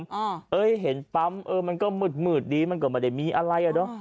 เอ้ยเห็นปั๊มเออมันก็มืดมืดดีมันก็ไม่ได้มีอะไรอ่ะเนอะ